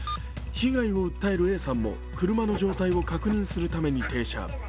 被害を訴えるＡさんも車の状態を確認するために停車。